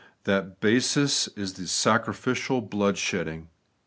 That basis is the sacrificial blood shedding.